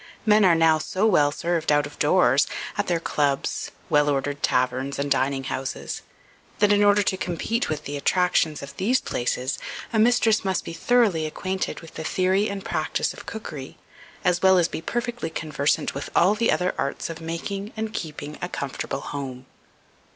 Men are now so well served out of doors, at their clubs, well ordered taverns, and dining houses, that in order to compete with the attractions of these places, a mistress must be thoroughly acquainted with the theory and practice of cookery, as well as be perfectly conversant with all the other arts of making and keeping a comfortable home.